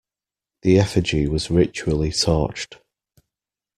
The effigy was ritually torched.